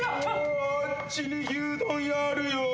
うわあっちに牛丼屋あるよ。